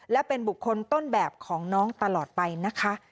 และเป็นบุคคลต้นแบบของน้องตลอดไปนะคะ